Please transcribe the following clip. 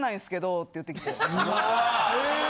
・え！？